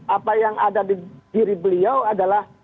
apa yang ada di diri beliau adalah